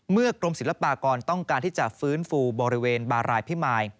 กรมศิลปากรต้องการที่จะฟื้นฟูบริเวณบารายพิมาย